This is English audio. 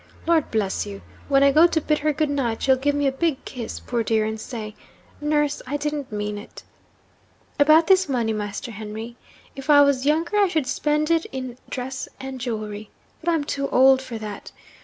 Lord bless you! when I go to bid her good night, she'll give me a big kiss, poor dear and say, Nurse, I didn't mean it! About this money, Master Henry? If I was younger I should spend it in dress and jewellery. But I'm too old for that.